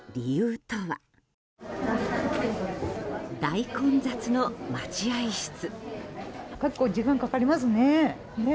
大混雑の待合室。